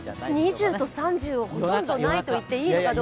２０と３０はほとんどないといっていいのかどうか。